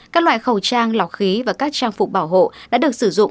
các loại khẩu trang lọc khí và các trang phục bảo hộ đã được sử dụng